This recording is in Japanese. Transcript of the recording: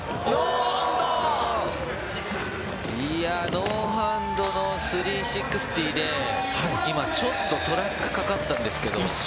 ノーハンドの３６０で、今、ちょっとトラックかかったんですけど。